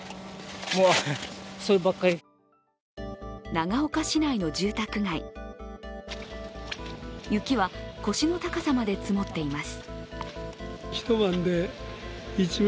長岡市内の住宅街、雪は腰の高さまで積もっています。